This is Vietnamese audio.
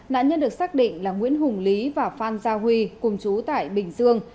nạn nhân được xác định là nguyễn hùng lý và phan gia huy cùng chú tại bình dương